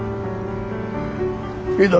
いいだろ？